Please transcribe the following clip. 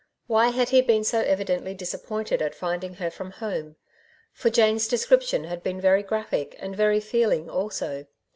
Why had he been so evidently disappointed at finding her from home? for Jane's description had been very graphic and very feeling also.